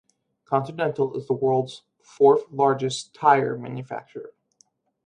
Continental is the world's fourth-largest tyre manufacturer.